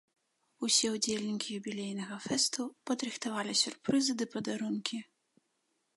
Усе ўдзельнікі юбілейнага фэсту падрыхтавалі сюрпрызы ды падарункі.